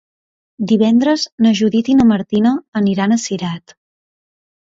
Divendres na Judit i na Martina aniran a Cirat.